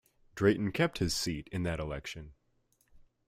Drayton kept his seat in that election.